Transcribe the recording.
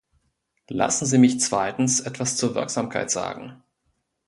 Lassen Sie mich zweitens etwas zur Wirksamkeit sagen.